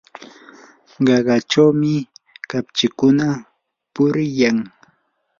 qaqachawmi kapchikuna puriyan.